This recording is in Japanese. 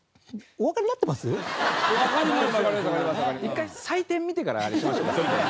１回採点見てからあれしましょうか。